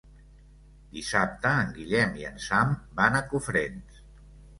Dissabte en Guillem i en Sam van a Cofrents.